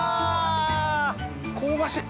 香ばしい！